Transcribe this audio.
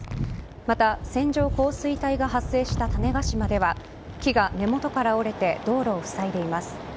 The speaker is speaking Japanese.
また線状降水帯が発生した種子島では木が根元から折れて道路をふさいでいます。